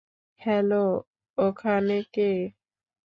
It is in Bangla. হ্যালো, ওখানে কে?